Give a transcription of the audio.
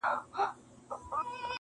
• را تېر سوی وي په کلیو په بانډو کي -